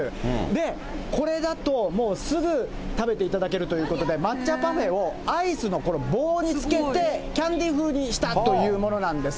で、これだともうすぐ食べていただけるということで、抹茶パフェをアイスの棒につけて、キャンディー風にしたというものなんです。